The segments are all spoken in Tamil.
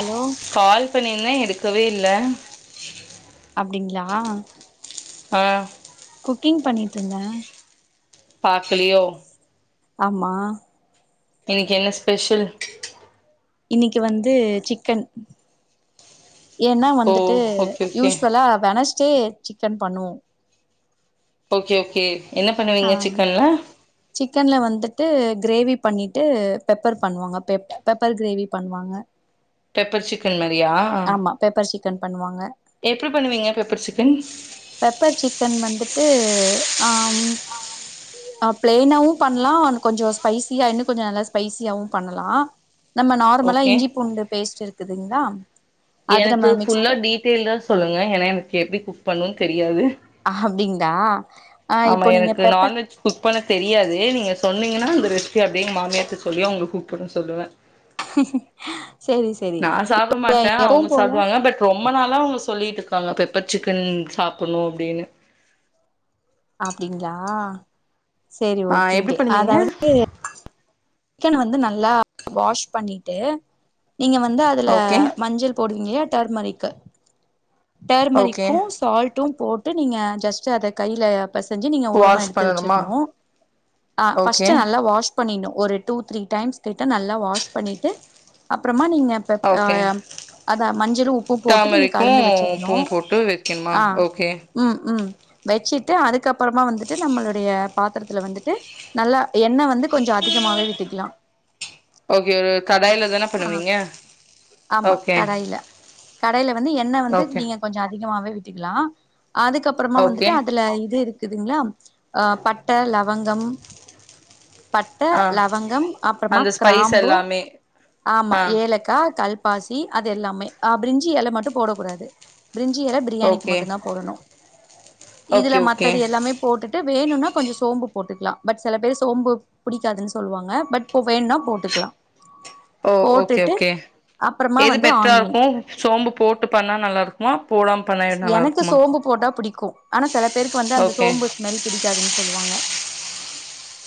ஹலோ கால் பண்ணிருந்த எடுக்கவே இல்ல அப்டிங்ளா அ குக்கிங் பண்ணிட்ருந்த பாக்கலையோ ஆமா இன்னைக்கு என்ன ஸ்பெஷல் இன்னைக்கு வந்து சிக்கன் ஏன்னா ஓ வந்துட்டு ஓகே ஓகே யூஸ்வலா வெனஸ்டே சிக்கன் பண்ணுவோ ஓகே ஓகே என்ன ஆ பண்ணுவீங்க சிக்கன்ல சிக்கன்ல வந்துட்டு கிரேவி பண்ணிட்டு பெப்பர் பண்வாங்க பெப் பெப்பர் கிரேவி பண்வாங்க பெப்பர் சிக்கன் மாரியா பெப்பர் சிக்கன் பண்ணுவாங்க எப்டி பண்ணுவீங்க பெப்பர் சிக்கன் பெப்பர் சிக்கன் வந்துட்டு டு ஆம் ஆ பிளைனாவு பண்லா னு கொஞ்ச ஸ்பைசியா இன்னு கொஞ்ச நல்லா ஸ்பைசியாவு பண்ணலா நம்ம நார்மலா ஓகே இஞ்சி பூண்டு பேஸ்ட் இருக்குதுங்ளா எனக்கு ஃபுல்லா டீடெயில்டா சொல்லுங்க ஏனா எனக்கு எப்டி குக் பண்ணு தெரியாது அப்டிங்களா ஆ ஆமா இப்போ நீங்க எனக்கு பெப்பர் நான்வெஜ் குக் பண்ண தெரியாது நீங்க சொன்னிங்கனா அந்த ரெசிபி அப்டியே எங்க மாமியார்ட சொல்லி அவங்கள குக் பண்ண சொல்லுவ சரி சரி நா சாப்ட இப்ப மாட்டே அவங்க சாப்டுவாங்க பட் ரொம் ப நாளா அவங்க சொல்லிட்டு இருக்காங்க பெப்பர் சிக்கன் சாப்டணு அப்டினு அப்டிங்களா செரி ஆ ஓகே எப்டி ஓகே பண்ணுவீங்க அதாவது சிக்கன் வந்து நல்லா வாஷ் பண்ணிட்டு நீங்க வந்து அதுல ஓகே மஞ்சள் போடுவீங்க டர்மரிக்கு ஓகே டர்மரிக்கும் சால்ட்டும் போட்டு நீங்க ஜஸ்ட்டு அத கையில இப்ப செஞ்சி நீங்க ஓரமா வாஷ் எடுத்து பண்ணணுமா வச்சிரனு ஆ ஓகே ஃபர்ஸ்டு நல்லா வாஷ் பண்ணிட்ணு ஒரு டூ த்ரீ டைம்ஸ் கிட்ட நல்லா வாஷ் பண்ணிட்டு அப்றோ அம்மா நீங்க அப் அத் ஓகே ஆயா அத மஞ்சளு உப்பும் போட்டு நீங்க டர்மரிக்கு கலந்து வச் உப்பும் போட்டு வைக்கணுமா அ ஓகே ம் ம் வெச்சு ட்டு அதுக்கப்பறமா வந்துட்டு நம்மளுடைய பாத்தரத்துல வந்துட்டு நல்லா எண்ணெ வந்து கொஞ்சோ அதிகமாவே விட்டுக் கிலா ஓகே ஒரு கடாயில தான பண்ணுவீங்க ஆமா ஓகே கடாய்ல கடாய்ல வந்து எண்ணெ வந்து ஓகே நீங்க கொஞ் சோ அதிகமாவே விட்டுக்கலா அதுக்கப்புறமா ஓகே வந்துட்டு அதுல இது இருக் குதுங்களா ஆ பட்ட லவங்கம் பட்ட ஆ லவங்கம் அப்பறமா அந்த ஸ்பைஸ் கிராம்பு எல்லாமே ஆமா ஆ ஏலக்கா கல் பாசி அது எல்லாமே பிரிஞ்சி எல மட்டும் போட கூடாது பிரிஞ்சி எல பிரியாணிக்கு ஓகே மட்டும் தான் போடணும் இதுல ஓகே ஓகே மத்தது எல்லாமே போட்டுட்டு வேணும்னா கொஞ்சோ சோம்பு போட்டுக்கலாம் பட் சில பேர் சோம்பு பிடிக்காதுனு சொல்லுவாங்க பட் இப் வேணுனா போட்டுக்கலாம் ஓ ஓகே ஓகே அப்புறமா எது வந்து பெட்ரா ஆனியன் இருக்கும் சோம்பு போட்டு பண்ணா நல்லா இருக்குமா போடாம பண்ணா நல்லா எனக்கு இருக்குமா சோம்பு போட்டா புடிக்கும் ஆனா சில பேருக்கு வந்து அந்த ஓகே சோம்பு ஸ்மெல் பிடிக்காதுன்னு சொல்லுவாங்க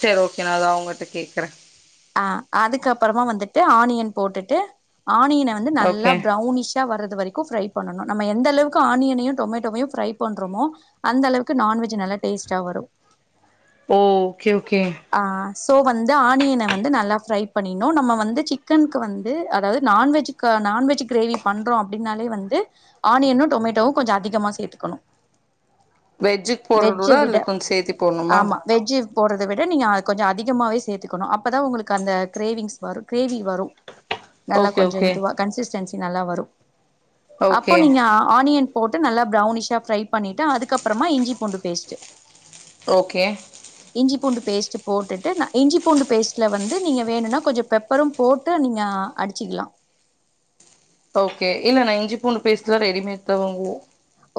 சேர் ஓகே நா அத அவுங்கட்ட கேக்கற அ அதுக்கப்பறமா வந்துட்டு ஆனியன் போட்டுட்டு ஆனியன வந்து நல்லா ஓகே பிரௌநிஷா வர்றது வரைக்கும் ப்ரை பண்ணனும் நம்ம எந்த அளவுக்கு ஆனியனையும் டொமேட்டோவையும் ப்ரை பண்றோமோ அந்த அளவுக்கு நான்வெஜ் நல்லா டேஸ்ட்டா வரும் ஓ ஓகே ஓகே ஆ சோ வந்து ஆனியன வந்து நல்லா ப்ரை பண்ணினும் நம்ம வந்து சிக்கன்க்கு வந்து அதாவது நான்வெஜ் க நான்வெஜ் கிரேவி பண்றோ ஓ அப்டின்னாலே வந்து ஆனியனும் டொமேட்டோ கொஞ்சோ அதிகமா சேர்த்துக்கணும் வெஜ்ஜுக்கு போடுறதோட வெஜ்ஜை விட அதுல கொஞ்சோ சேத்தி போடணுமா ஆமா வெஜ் போறத விட நீங்க கொஞ்சோ அதிகமாகவே சேர்த்துக்கணும் அப்போ அப்பதா உங்களுக்கு அந்த கிரேவிங்ஸ் வரும் கிரேவி வரும் நல்லா ஓகே கொஞ்சம் ஓகே இதுவா கன்சிஸ்டன்சி நல்லா வரும் அப்போ ஓகே நீங்க ஆனியன் போட்டு நல்லா பிரௌனிஷா ஃப்ரை பண்ணிட்டு அதுக்கப்புறமா இஞ்சி பூண்டு பேஸ்ட் ஓகே இஞ்சி பூண்டு பேஸ்ட் போட்டுட்டு நா இஞ்சி பூண்டு பேஸ்ட் ல வந்து நீங்க வேணுனா கொஞ்சோ பெப்பரும் போட்டு நீங்க அடிச்சிக்கலாம் ஓகே இல்ல நான் இஞ்சி பூண்டு பேஸ்ட்லா ரெடிமேட் தான் வாங்குவோ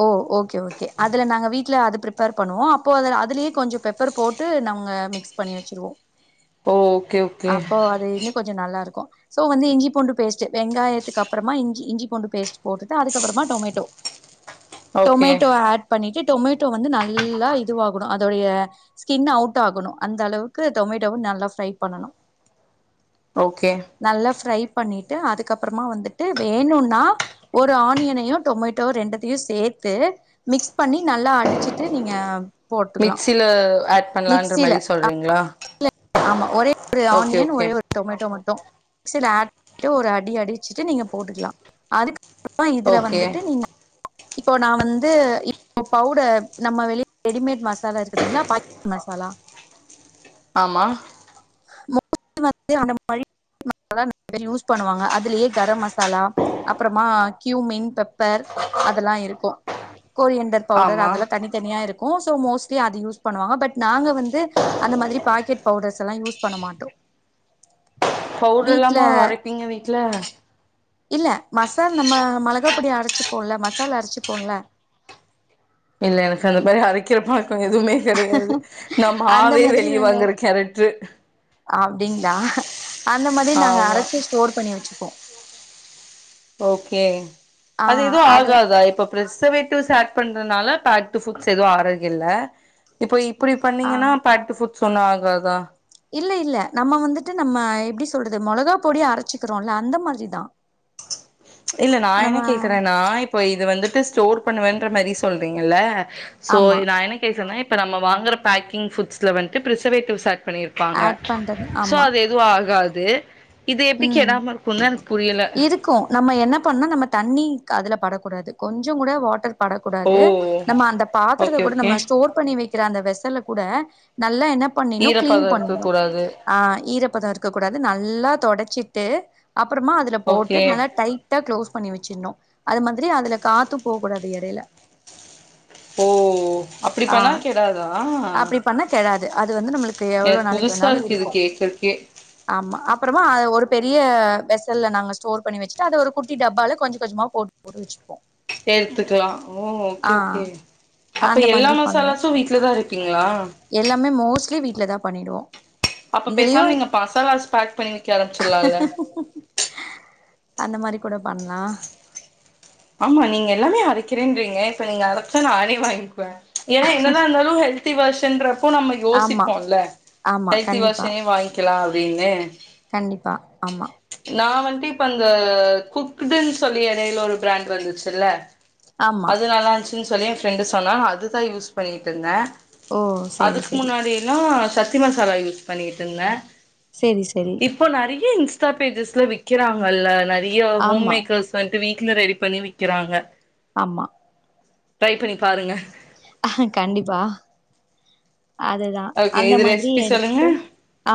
ஓ ஓகே ஓகே அதுல நாங்க வீட்ல அது பிரிப்பேர் பண்ணுவோம் அப்போ அதுல அதுலயே கொஞ்சோ பெப்பர் போட்டு நாங்க அ மிக்ஸ் பண்ணி வச்சிருவோம் ஓ ஓகே ஓகே அப்போ அது இன்னு கொஞ்சோ நல்லா இருக்கும் சோ வந்து இஞ்சிப்பூண்டு பேஸ்ட் வெங்காயத்துக்கு அப்பறமா இஞ்சி இஞ்சி பூண்டு பேஸ்ட் போட்டுட்டு அதுக்கப்புறமா டொமேட்டோ ஓகே டொமேட்டோ ஆட் பண்ணிட்டு டொமேட்டோ வந்து நல்லா இதுவாகணும் அதோடைய ஸ்கின் அவுட் ஆகணும் அந்த அளவுக்கு டொமேட்டோவ ந நல்லா ஃப்ரை பண்ணணும் ஓகே நல்ல ஃப்ரை பண்ணிட்டு அதுக்கப்புறமா வந்துட்டு வேணும்னா ஒரு ஆனியனையும் டொமேட்டோ ரெண்டு த்தையும் சேர்த்து மிக்ஸ் பண்ணி நல்லா அடிச்சுட்டு நீங்க போட்டுக்கலாம். மிக்ஸில ஆட் பண்ணலாம்ன்ற மிக்சில மாரி சொல்றீங்களா ஆமா ஒரே ஒரு ஓகே ஆனியன் ஓகே ஒரே ஒரு டொமேட்டோ மட் டும் மிக்ஸில ஆட் பண்ட்டு ஒரு அடி அடிச்சுட்டு நீங்க போட்டுக்கலாம் அதுக் [unintelligible] இதுல ஓகே வந்துட்டு நீங்க இப்போ நான் வந்து பவுடர் நம்ம வெளிய ரெடிமேட் மசாலா இருக்குதுங்களா ப மசாலா ஆமா வந்து அந்த [unintelligible] மசாலா நிறைய பே யூஸ் பண்ணுவாங்க அதுலயே கரம் மசாலா அப்புறமா கீயூமீின் பெப்பர் அதெல்லா இருக்கு கோரியண்டர் பவுடர் ஆமா அதெல்லா தனித்தனியா இருக்கு [unintelligible] மோஸ்ட்லி அது யூஸ் பண்ணுவாங்க பட் நாங்க வந்து அந்த மாதிரி பாக்கெட் பவுடர்ஸ் எல்லாம் யூஸ் பண்ண மாட்டோ பவுடர் இல்லாம அரைப்பீங்க வீட்ல இல்ல மசால் நம்ம மிளகா பொடிய அரைச்சு போம்ல மசாலா அரைச்சு போம்ல இல்ல எனக்கு அந்த மாதிரி அரைக்கிற பழக்கம் எதுவுமே கடையாது நான் மாவே வெளியே வாங்குற கேரக்ட்ரூ அப்படிங்களா அந்த மாதிரி நாங்க ஆமா அரைச்சு ஸ்டோர் பண்ணி வச்சுப்போ ஓகே அது எதுவும் ஆகாதா இப்ப பிரஸ் [unintelligible] பண்றதுன எதுவும் ஆரோக்ய இல்ல இப்ப இப்படி ஆ பண்ணீங்கன்னா பேட்டு் ஃபுட்ஸ் ஒண்ணும் ஆகாதா இல்ல இல்ல நம்ம வந்துட்டு நம்ம எப்படி சொல்றது மொளகா பொடிய அரைச்சுிக்கிறோ இல்ல அந்த மாதிரிதா இல்ல நான் என்ன நம்ம கேக்குறேன்னா இப்ப இது வந்துட்டு ஸ்டோர் பண்ணுவேன்ற மாரி சொல்றீங்கல்ல சோ ஆமா நான் என்ன கேக்கறேன்ன இப்ப நம்ம வாங்குற பேக்கிங் புட்ஸ்ல வந்துட்டு பிரிசர்வேட்டிவ் சக் பண்ணிருப்பாங்க ஆட் பண்றது சோ ஆமா அது எதுவு ஆகாது இது எப்டி ம் கெடாம இருக்குன்னு எனக்கு புரியல இருக்கும் நம்ம என்ன பண்ணா நம்ம தண்ணி அதுல படக்கூடாது கொஞ்சம் கூட வாட்டர் ஓ படக்கூடாது நம்ம அந்த பாத்திரத்த ஓகே கூட ஓகே நம்ம ஸ்டோர் பண்ணி வைக்க அந்த வெசல்ல கூட நல்லா என்ன பண்ணிணும் கிளீன் ஈரப்பதோ இருக்க பண்ணிணும் கூடாது ஆ ஈரப்பதம் இருக்கக்க கூடாது நல்லா தொடச்சிட்டு அப்புறமா அதுல போட்டு ஓகே நல்லா டைட்டா க்ளோஸ் பண்ணி வச்சிந்னோம் அது மாதிரி அதுல காத்து போ கூடாது எடையில ஓ அப்படி ஆ பண்ணா கெடாதா அப்டி பண்ணா கெடாது அது வந்து நம்மளுக்கு எவ்ளோ என் நாளைக்கு புதுசு சா வேணாலு இருக்குது இருக்கு கேக்கு இருக்குே ஆமா அப்புறமா ஒரு பெரிய பெரிய வெசல்ல நாங்க ஸ்டோர் பண்ணி வச்சுட்டு அதை ஒரு குட்டி டப்பால கொஞ்சம் கொஞ்சமா போட்டு போட்டு வச்சு எத்துக்கலா ம் ஓ ஓகே ஆ ஓகே அப்ப அந்த எல்லா மாதிரி பண்ணுவோ மசாலாஸும் வீட்லதான் அரப்பீங்களா வீட்ல தான் பண்ணிடுவோ அப்ப இதுலயு பேசாம நீங்க மசாலாஸ் பேக் பண்ணி விக்க ஆரம்பச்சிடலாம்ல அந்த மாதிரி கூட பண்லா ஆமா நீங்க எல்லாமே அரைக்கிறேன்றீங்க இப்ப நீங்க அரைச்சா நானே வாங்கிக்குவே ஏன்னா என்னதான் இருந்தாலும் ஹெல்தி வர்ஷன்ற இப்போ நம்ம ஆமா யோசிப்போம்ல்ல ஆமா ஹெல்த்தி கண்டிப்பா வர்சனே வாங்கிக்கலா அப்படின்னு கண்டிப்பா ஆமா நா வந்துட்டு இப்ப அந்த குக்டன்னு சொல்லி இடையில ஒரு பிராண்ட் வந்துச்சுல்ல ஆமா அது நல்லாச்சுன்னு சொல்லி என் ஃப்ரெண்டு சொன்னால் அதுதான் யூஸ் பண்ணிட்டு இருந்தே ஓ செரி அதுக்கு செரி முன்னாடி எல்லா சத்தி மசாலா யூஸ் பண்ணிட்டு இருந்த செரி செரி இப்போ நறைய இன்ஸ் டா பேஜஸ்ல விக்கிறாங்கல்ல நறைய ஹோம் ஆமா மேக்கர்ஸ் வந்துட்டு வீட்ல ரெடி பண்ணி விக்கிறாங்க ஆமா ட்ரை பண்ணி பாருங்க அ கண்டிப்பா அதுதான் ஓகே அந்த இது மாதிரி ரெசிபி சொல்லுங்க எடுத்து ஆ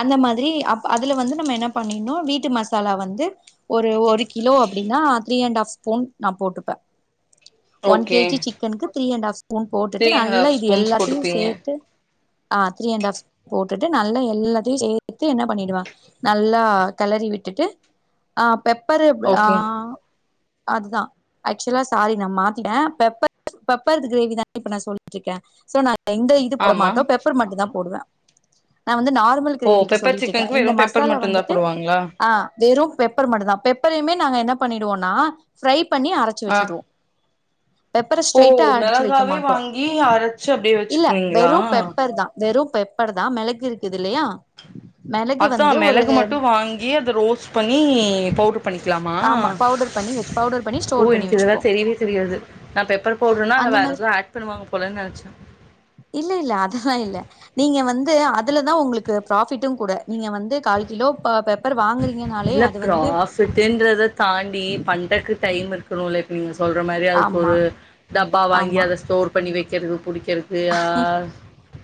அந்த மாதிரி அ அதுல வந்து நம்ம என்ன பண்ணன்னு வீட்டு மசாலா வந்து ஒரு ஒரு கிலோ அப்டினா த்ரீ அண்ட் ப் ஸ்பூன் போட்டுப்ப ஒன் ஓகே கேஜி சிக்கனுக்கு த்ரீ அண்ட் ஹாப் ஸ்பூன் போட்டுட்டு த்ரீ அண்ட் நல்லா ஹாஃப் இது ஸ்பூன்ஸ் எல்லாத்தையு போட்டுப்பீங்க சேத் அ த்ரீ அண்ட்ஹப் ஸ்பூ போட்டுட்டு நல்லா எல்லாத்தையு சேத்து என்ன பண்ணிடுவான் நல்லா கிளறி விட்டுட்டு அ பெப்பரு எ ஆ ஓகே அதுதா ஆக்சுவலா சாரி நா மாத்திட்ட பெப்பர் பெப்பர் கிரேவிதானே இப்ப நா சொல்லிட்டு இருக்கேன் சோ நா எந்த இது போட ஆமா மாட்டோம் பெப்பர் மட்டுந்தா போடுவ வந்து நார்மல் ஓ கிரேவிக்கு பெப்பர் சொல்லிட்டு இருக்கே சிக்கனுக்கு இந்த வெறும் பெப்பர் மசாலா மட்டுந்தா வந்துட்டு போடுவாங்களா அ வெறும் பெப்பர் மட்டுந்தா பெப்பரையுமே நாங்க என்ன பண்ணி டுவோனா ஃப்ரை பண்ணி அரச்சு ஆ வச்சடுவோ பெப்பர ஓ ஸ்ட்ரரைட்டா அடிச்சு வக்க மெளகாவே மாட்டோ வாங்கி அரச்சு அப்டியே இல்ல வச்சுக்குவீங்களா வெறு பெப்பர் தா வெறு பெப்பர் தா மிளகு இருக்குது இல்லையா மெளகு அதா வந்து ஒரு மிளகு மட்டு வாங்கி அத ரோஸ்ட் பண்ணி பவுடர் பண்ணிக்க ஆமா பவுடர் பண்ணி வச்சு பவுடர் பண்ணி ஓ ஸ்டோர் பண்ணி எனக்கு இதெல்ல வச்சுப்போ தெரியவே தெரியாது ஓ எனக்கு இதுலா தெரியவே தெரியாது நா பெப்பர் போடுறேன்னா அந்த அ மாதிரி வேற ஏதோ ஆட் பண்ணுவாங்க போலன்னு நெனச்சே இல்ல இல்ல அததுதா இல்ல நீங்க வந்து அதுலதா உங்களுக்கு ப்ராபிட்டு கூட நீங்க வந்து ஆல் கிலோ ப பெப் இல்ல ப்ராஃபிட்டுன்றத தாண்டி பண்றதுக்கு டைம் இருக்கணும்ல இப்ப நீங்க சொல்ற மாரி அதுக்கு ஆமா ஒரு டப்பா வாங்கி ஆமா அத ஸ்டோர் பண்ணி வெக்கிறது புடி க்கெற்து ஆ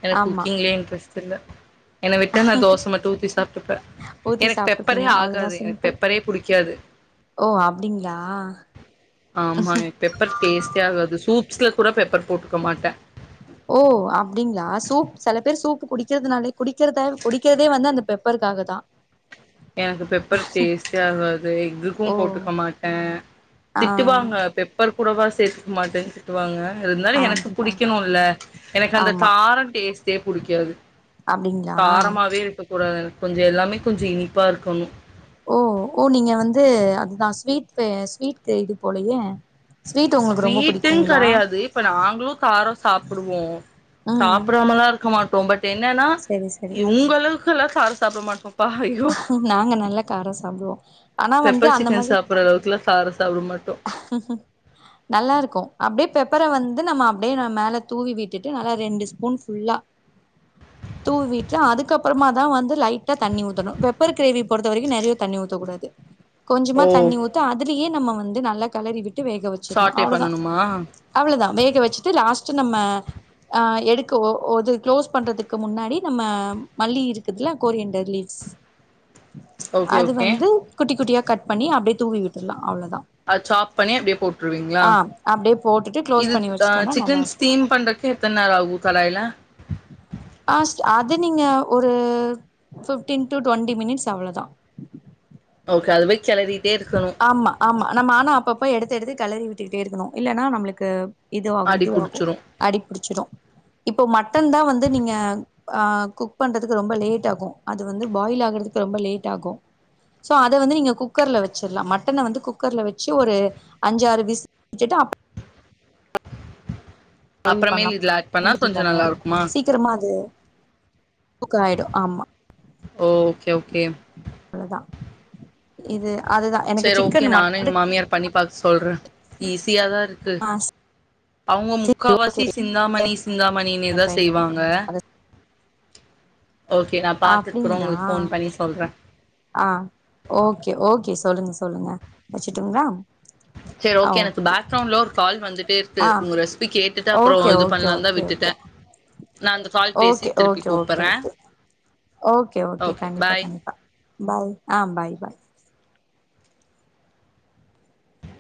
எனக்கு ஆமா குக்கிங்லயே இன்ட்ரெஸ்ட்டில்ல என்ன விட்டா நா தோச மட்டு ஊத்தி சாப்ட்டுப்ப ஊத்தி எனக் பெப்பரே சாப்ட்டுப்பீங்க அவ்ளோதா ஆகாது எனக் சிம்பிள் பெப்பரே புடிக்காது ஓ அப்டிங்களா ஆமா எனக் பெப்பர் டேஸ்ட்டே ஆகாது சூப்ஸ்ல கூட பெப்பர் போட்டுக்க மாட்ட ஓ குடிக்கெற்துனாலே குடிக்கெற்த குடிக்கெற்தே வந்து அந்த பெப்பருக்காக தா எனக்கு பெப்பர் டேஸ்ட்டே ஆகாது எக்குக்கும் ஓ போட்டுக்க மாட்ட ஆ திட்டுவாங்க பெப்பர் கூடவா சேத்துக்க மாட்டன் திட்டுவாங்க இருந்தாலு எனக்கு அதுதா புடிக்கணுல்ல எனக்கு அந்த காரொ டேஸ்ட்டே புடிக்காது அப்டிங்ளா காரமாவே இருக்க கூடாது எனக் கொஞ்சொ எல்லாமே கொஞ்சொ இனிப்பா இருக்கணு ஓ ஓ நீங்க வந்து அதுதா ஸ்வீட்டு ஸ்வீட்டு இது போலயே ஸ்வீட் உங்களுக்கு ரொம்ப ஸ்வீட்டுன் புடிக்குங்களா கடையாது இப்ப நாங்களு காரொ சாப்டுவோ ம் சாப்டாமல்லா இருக்க மாட்டோ பட் என்னன்னா சரி சரி இ உங்களவுக்குல்லா காரொ சாப்ட மாட்டோ நாங்க நல்ல காரொ சாப்டுவோ ஆனா வந்து பெப்பர் அந்த சிக்கன் மாரி சாப்புர்ற அளவுக்குலா காரொ சாப்ட மாட்டோ நல்லா இருக்கு அ ப்டே பெப்பர வந்து நம்ம அப்டே நா மேல தூவி விட்டுட்டு நல்லா ரெண்டு ஸ்பூன் ஃபுல்லா தூவிட்ல அதுக்கப்பறமாதா வந்து லைட்டா தண்ணி ஊத்தணு பெப்பர் க்ரேவி பொறுத்த வரைக்கு நறையா தண்ணி ஊத்தக்கூடாது கொஞ்சமா ஓ தண்ணி ஊத்து அதுலயே நம்ம வந்து நல்லா கலறி விட் டு வேக வெச்சிர்ணு சாட்டே அவ்வளோதா பண்ணணுமா அவ்ளோதா வேக வச்சுட்டு லாஸ்ட்டு நம்ம ஆ எடுத் க ஒ ஓது க்ளோஸ் பண்றதுக்கு முன்னாடி நம்ம மல்லி இருக்குதுல்ல கோரியான்டர் லீவ்ஸ் ஓகே அது ஓகே வந்து குட்டிக் குட்டியா கட் பண்ணி அப்டியே தூவி விட்ருலா அவ்ளோதா அ சாப் பண்ணி அப்டியே போட்ருவீங்களா ஆ அப்டியே போட்டுட்டு க்ளோஸ் இது பண்ணி ஆ வச்சுட்டோனா சிக்கன் நல்லாருக்கு ஸ்டீம் பண்றக்கு எத்தன் நேராகு கடாய்ல அ ஸ் அது நீங்க ஒரூ ஃபிஃப்டீன் டு டுவெண்ட்டி மினிட்ஸ் அவ்ளோதா ஓகே அதுவே கெளரி ஆமா ஆமா நம்ம ஆனா அப்பப்ப எடுத்து எடுத்து கெளரி விட்டுக்கிட்டே இருக்கணு இல்லன்னா நம்ளுக்கு இதுவாகு அடி இதுவாகு புடிச்சிரு அடிப்புடிச்சிரு இப்போ ம மட்டன் தா வந்து நீங்க அ குக் பண்றதுக்கு ரொம்ப லேட் ஆகோ அது வந்து பாயில் ஆகறதுக்கு ரொம்ப லேட் ஆ கோ சோ அத வந்து நீங்க குக்கர்ல வச் சுலா மட்டன வந்து குக்கர்ல வெச்சு ஒரு அஞ்சாறு விசு வெச்சுட்டு அப் [inaudible] அப்பறமேலு இதுல ஆட் பண்ணா கொஞ்சோ நல்லா கெடையாது இருக்குமா சீக்கிரமா அது குக் ஆயிடோ ஆமா ஓகே ஓகே அவ்ளதா இது அதுதா எனக்கு சரி ஓகே சிக்கன் நானும் எங்க மட்டு மாமியார் பண்ணி பாக்க சொல்ற ஈஸியாதா இருக்கு ஆ சரி அவுங்க ஓகே முக்காவாசி சிந்தாமணி சிந்தாமணினேதா ட்ரை செய்வாங்க ஓகே நா பாத்துக்குறோம் அப்டிங்களா உங்குளுக் ஃபோன் பண்ணி சொல்ற ஆ ஓகே ஓகே சொல்லுங்க சொல்லுங்க வச்சுட்டுங்களா சரி ஓகே எனக்கு பேக்ரவுண்ட்ல ஒரு கால் வந்துட் டேஸ்டு ஆ உங்க ரெசிபி கேட்டுட்டு அப்புறோ ஓகே இது ஓகே பண்லாந்தா ஓகே விட்டுட்ட ஓகே நா அந்த கால் பேசி ஓகே திருப்பி ஓகே கூப்பற ஓகே ஓகே ஓகே ஓகே கண்டிப்பா கண்டிப்பா பாவ் ஆ பாய் பாய்